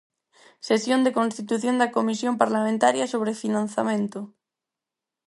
Sesión de constitución da comisión parlamentaria sobre financiamento.